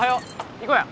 行こうや！